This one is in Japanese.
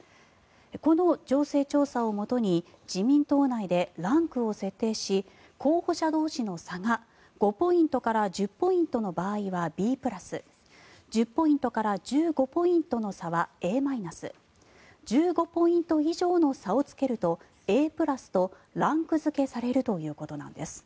この情勢調査をもとに自民党内でランクを設定し候補者同士の差が５ポイントから１０ポイントの場合はＢプラス１０ポイントから１５ポイントの差はＡマイナス１５ポイント以上の差をつけるとＡプラスとランク付けされるということなんです。